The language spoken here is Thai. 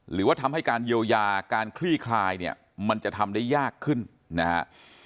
หรือว่าทำให้การเยียวยาการคลี่คลายเนี่ยมันจะทำได้ยากขึ้นนะฮะ